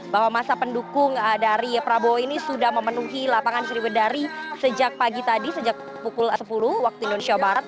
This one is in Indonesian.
bahwa masa pendukung dari prabowo ini sudah memenuhi lapangan sriwedari sejak pagi tadi sejak pukul sepuluh waktu indonesia barat